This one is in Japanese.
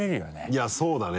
いやそうだね。